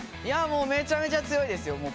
いやもうめちゃめちゃ強いですよ！